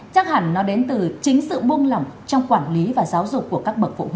chắc hẳn nó đến từ chính sự buông lỏng trong quản lý và giáo dục